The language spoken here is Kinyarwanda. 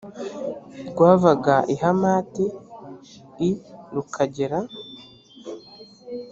rwavaga i hamati i rukagera